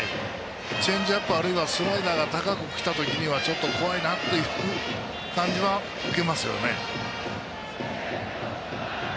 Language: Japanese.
チェンジアップ、あるいはスライダーが高くきた時にはちょっと怖いなという感じは受けますね。